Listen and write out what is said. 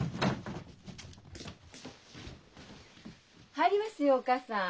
入りますよお義母さん。